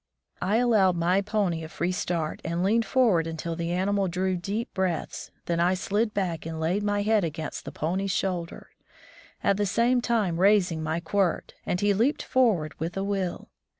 I allowed my pony a free start and leaned forward until the animal drew deep breaths, then I slid back and laid my head against the pony^s shoulder, at the same time raising my quirt, and he leaped forward with a will